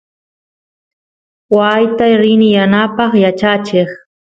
waayta rini yanapaq yachacheq